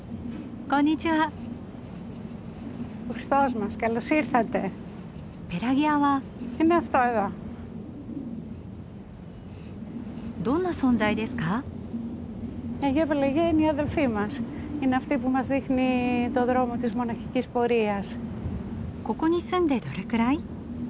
ここに住んでどれくらい？